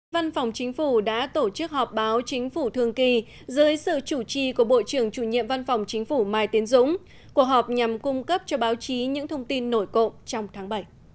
văn phòng chính phủ đã tổ chức họp báo chính phủ thường kỳ dưới sự chủ trì của bộ trưởng chủ nhiệm văn phòng chính phủ mai tiến dũng của họp nhằm cung cấp cho báo chí những thông tin nổi cộng trong tháng bảy